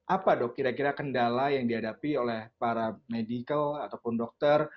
apa dok kira kira kendala yang dihadapi oleh para medical ataupun dokter